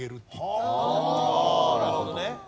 ああなるほどね。